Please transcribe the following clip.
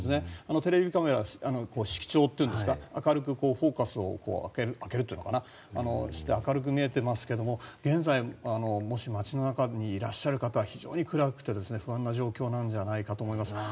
テレビカメラ色調というんですか明るくフォーカスを開けるというのかな明るく見えていますけど現在、街の中にいらっしゃる方は非常に暗くて不安な状況なんじゃないかと思います。